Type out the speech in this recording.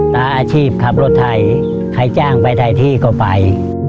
อาชีพขับรถไทยใครจ้างไปไทยที่ก็ไป